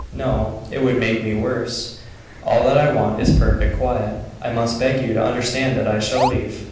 "No; it would make me worse. All that I want is perfect quiet. I must beg you to understand that I shall leave.